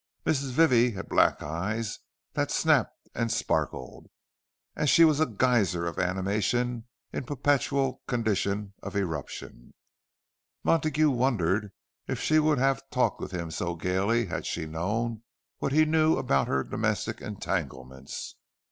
Mrs. Vivie had black eyes that snapped and sparkled, and she was a geyser of animation in a perpetual condition of eruption. Montague wondered if she would have talked with him so gaily had she known what he knew about her domestic entanglements.